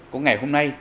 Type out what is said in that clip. có ngày hôm nay